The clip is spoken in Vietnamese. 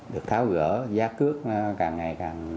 được tháo gỡ giá cước càng ngày càng